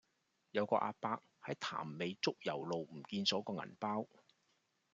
有個亞伯喺潭尾竹攸路唔見左個銀包